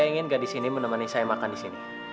saya ingin gadis ini menemani saya makan di sini